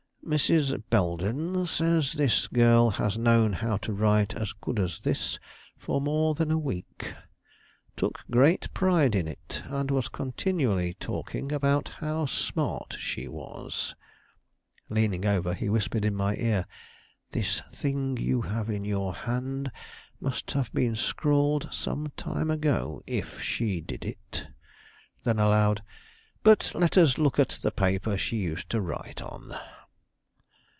"Mrs. Belden says this girl has known how to write as good as this for more than a week. Took great pride in it, and was continually talking about how smart she was." Leaning over, he whispered in my ear, "This thing you have in your hand must have been scrawled some time ago, if she did it." Then aloud: "But let us look at the paper she used to write on."